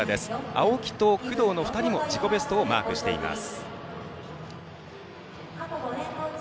青木と工藤の２人も自己ベストをマークしています。